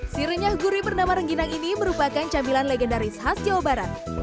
si renyah gurih bernama rengginang ini merupakan camilan legendaris khas jawa barat